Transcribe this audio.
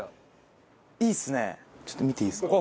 ちょっと見ていいですか？